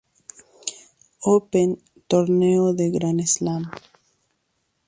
Open torneo de Gran Slam.